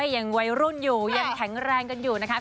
ยังวัยรุ่นอยู่ยังแข็งแรงกันอยู่นะคะ